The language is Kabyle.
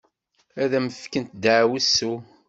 Ad am-fkent ddeɛwessu.